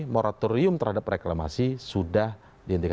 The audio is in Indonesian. moratorium terhadap reklamasi sudah dihentikan